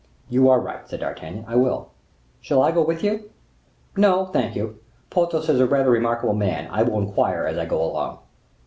"You are right," said D'Artagnan, "I will." "Shall I go with you?" "No, thank you; Porthos is a rather remarkable man: I will inquire as I go along."